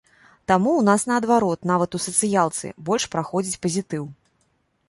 Таму ў нас наадварот нават у сацыялцы больш праходзіць пазітыў.